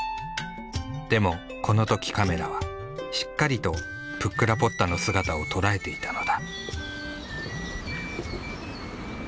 でもこのときカメラはしっかりとプックラポッタの姿を捉えていたのだ。